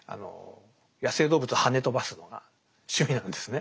野生動物をはね飛ばすのが趣味なんですね。